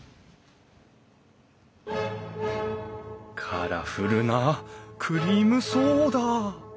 カラフルなクリームソーダ！